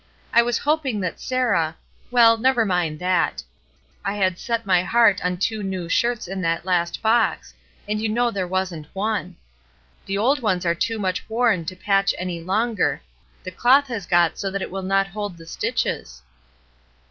I was hoping that Sarah — well, never mind that ; I had set my heart on two new shirts in that last box, and you know there wasn't one. The old ones are too much worn to patch any longer, the cloth has got so that it will not hold the stitches."